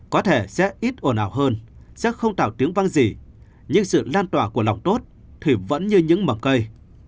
có thể sẽ ít ồn ào hơn sẽ không tạo tiếng vang gì nhưng sự lan tỏa của lòng tốt thủy vẫn như những mầm cây